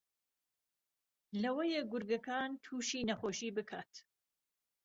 لەوەیە گورگەکان تووشی نەخۆشی بکات